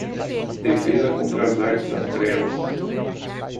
Defesa Contra as Artes das Trevas